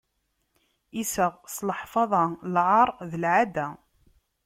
Iseɣ s leḥfaḍa, lɛaṛ d lɛadda.